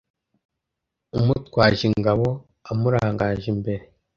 umutwaje ingabo amurangaje imbere.